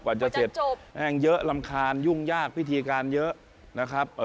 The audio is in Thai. จะเสร็จจบแห้งเยอะรำคาญยุ่งยากพิธีการเยอะนะครับ